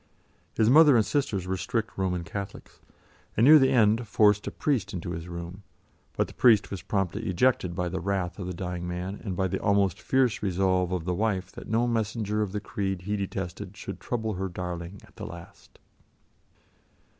His mother and sister were strict Roman Catholics, and near the end forced a priest into his room, but the priest was promptly ejected by the wrath of the dying man, and by the almost fierce resolve of the wife that no messenger of the creed he detested should trouble her darling at the last.